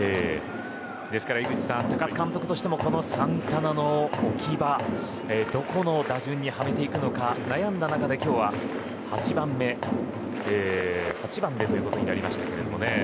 ですから井口さん高津監督としてもこのサンタナの置き場どこの打順にはめていくか悩んだ中で今日は８番でとなりましたが。